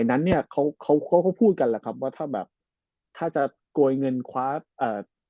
นั้นเนี้ยเขาเขาเขาก็พูดกันแหละครับว่าถ้าแบบถ้าจะโกยเงินคว้าเอ่อ